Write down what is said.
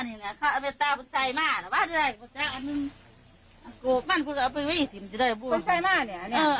อันนี้แหละข้าวแว่นตาผู้ใจมากน่ะว่าจะได้ผู้ใจอันนี้